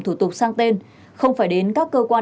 thủ tục sang tên không phải đến các cơ quan